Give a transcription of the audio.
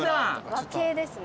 和系ですね。